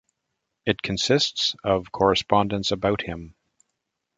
It consists of correspondence about him.